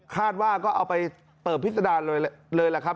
คาดว่าก็เอาไปเปิดพิษดารเลยล่ะครับ